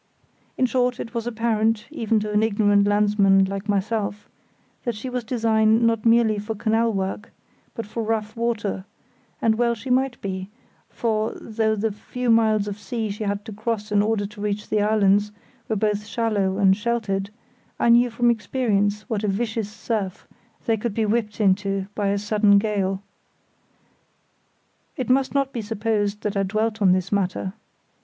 In short, it was apparent, even to an ignorant landsman like myself, that she was designed not merely for canal work but for rough water; and well she might be, for, though the few miles of sea she had to cross in order to reach the islands were both shallow and sheltered, I knew from experience what a vicious surf they could be whipped into by a sudden gale. It must not be supposed that I dwelt on this matter.